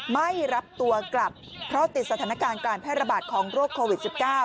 ไม่รับตัวกลับเพราะติดสถานการณ์การแพร่ระบาดของโรคโควิด๑๙